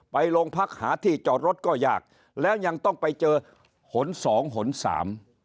ไปโรงพักหาที่จอดรถก็ยากแล้วยังต้องไปเจอหนสองหนสาม